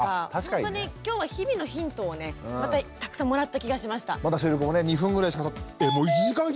ほんとに今日は日々のヒントをねまたたくさんもらった気がしました。